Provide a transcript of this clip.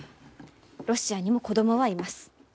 ロシアにも子供はいます。